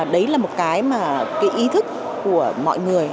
đấy là một cái mà cái ý thức của mọi người